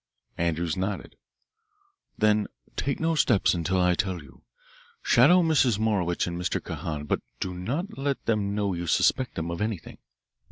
Andrews nodded. "Then take no steps until I tell you. Shadow Mrs. Morowitch and Mr. Kahan, but do not let them know you suspect them of anything.